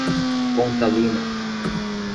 Pontalina